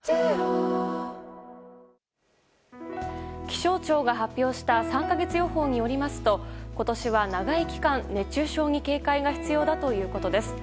気象庁が発表した３か月予報によりますと今年は長い期間、熱中症に警戒が必要だということです。